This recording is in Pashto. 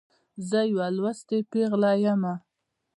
زه یوه لوستې پیغله يمه.